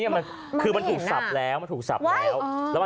กิ้งกื่ในลาบเห็ดคือถูกสับแล้ว